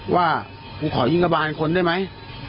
ว่ากูขอยิงกระบานคนได้ไหม